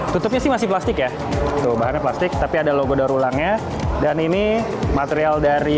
tutupnya sih masih plastik ya tuh plasti tapi ada logo darulang nya dan ini material dari